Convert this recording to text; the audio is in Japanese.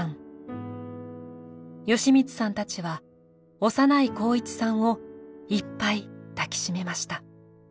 美光さんたちは幼い航一さんをいっぱい抱きしめました。